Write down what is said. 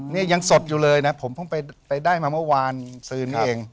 นี่ยังสดอยู่เลยนะผมเพิ่งไปได้มาเมื่อวานซื้อนี้เอง